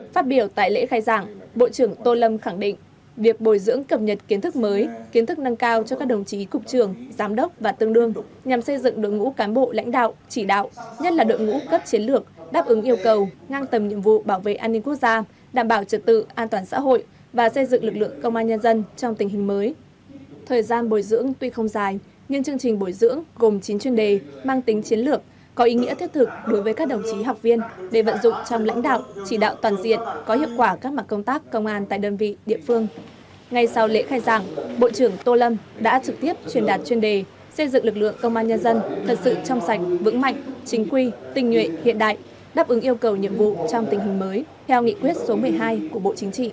phát biểu tại lễ khai giảng bộ trưởng tô lâm khẳng định việc bồi dưỡng cập nhật kiến thức mới kiến thức nâng cao cho các đồng chí cục trường giám đốc và tương đương nhằm xây dựng đội ngũ cán bộ lãnh đạo chỉ đạo nhất là đội ngũ cấp chiến lược đáp ứng yêu cầu ngang tầm nhiệm vụ bảo vệ an ninh quốc gia đáp ứng yêu cầu ngang tầm nhiệm vụ bảo vệ an ninh quốc gia đáp ứng yêu cầu ngang tầm nhiệm vụ bảo vệ an ninh quốc gia đáp ứng yêu cầu ngang tầm nhiệm vụ b